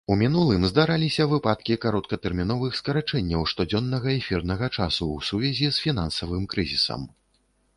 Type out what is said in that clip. У мінулым здараліся выпадкі кароткатэрміновых скарачэнняў штодзённага эфірнага часу ў сувязі з фінансавым крызісам.